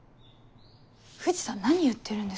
藤さん何言ってるんですか？